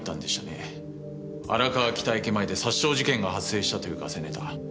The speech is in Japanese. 荒川北駅前で殺傷事件が発生したというガセネタ。